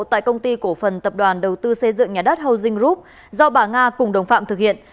tại công ty cổ phần tập đoàn đầu tư xây dựng nhà đất housing group do bà nga cùng đồng phạm thực hiện